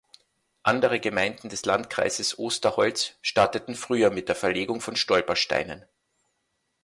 Andere Gemeinden des Landkreises Osterholz starteten früher mit der Verlegung von Stolpersteinen.